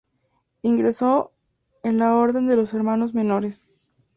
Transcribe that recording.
Ingresó en la Orden de los Hermanos Menores.